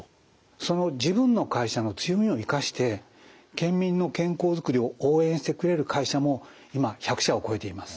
その自分の会社の強みを生かして県民の健康づくりを応援してくれる会社も今１００社を超えています。